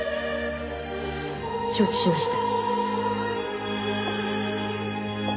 承知しました。